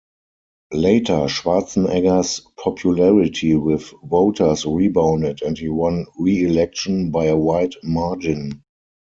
Later, Schwarzenegger's popularity with voters rebounded and he won reelection by a wide margin.